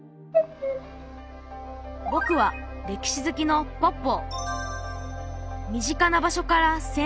ぼくは歴史好きのポッポー。